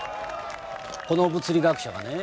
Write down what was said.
この物理学者がね